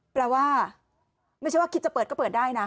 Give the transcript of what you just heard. แปลว่าไม่ใช่ว่าคิดจะเปิดก็เปิดได้นะ